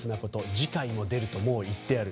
次回も出るともう言ってある。